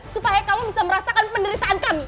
supaya kamu bisa merasakan penderitaan kami